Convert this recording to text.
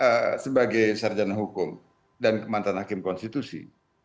bagi saya sebagai serjana hukum dan mantan hakim konstitusi